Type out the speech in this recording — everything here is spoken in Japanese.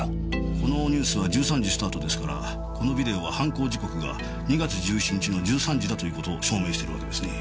このニュースは１３時スタートですからこのビデオは犯行時刻が２月１７日の１３時だという事を証明してるわけですね。